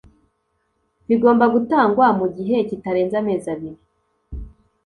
bigomba gutangwa mu gihe kitarenze amezi abiri